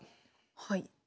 はい。